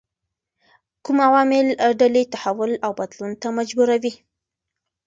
کوم عوامل ډلې تحول او بدلون ته مجبوروي؟